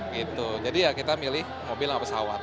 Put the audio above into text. gitu jadi ya kita milih mobil sama pesawat